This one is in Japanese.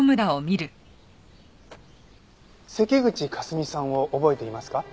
関口香澄さんを覚えていますか？